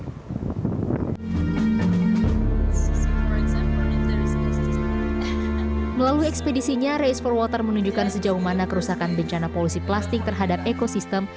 melalui ekspedisinya race for water menunjukkan sejauh mana kerusakan bencana polusi plastik terhadap ekosistem